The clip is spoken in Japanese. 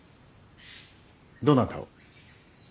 どなたを。